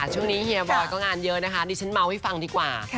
ช่วงนี้เฮียบอยด์ก็งานเยอะนะคะดิฉันเม้าท์ให้ฟังดีกว่า